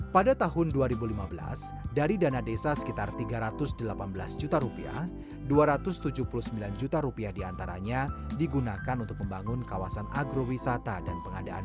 pada tahun dua ribu lima belas dari dana desa sekitar rp tiga ratus delapan belas juta rupiah dua ratus tujuh puluh sembilan juta rupiah diantaranya digunakan untuk membangun kawasan agrowisata dan pengadaan